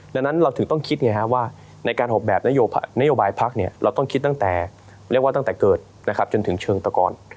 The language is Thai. ดังนั้นเราถึงต้องคิดไงว่าในการอบแบบนโยบายพรรคเราต้องคิดตั้งแต่เกิดจนถึงเชิงตกร